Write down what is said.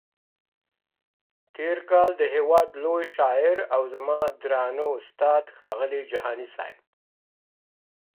تېر کال د هیواد لوی شاعر او زما درانه استاد ښاغلي جهاني صاحب.